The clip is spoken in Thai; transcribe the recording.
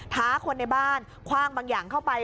ท้าคนในบ้านคว่างบางอย่างเข้าไป